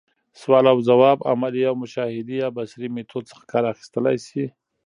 سوال اوځواب، عملي او مشاهدي يا بصري ميتود څخه کار اخستلاي سي.